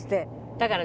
だから。